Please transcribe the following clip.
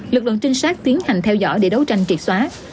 lực lượng trinh sát tiến hành theo dõi để đấu tranh triệt xóa